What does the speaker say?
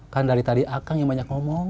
kan dari tadi akang yang banyak ngomong